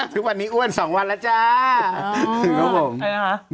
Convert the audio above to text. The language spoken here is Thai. แต่ไม่ถึงร้อยล้าน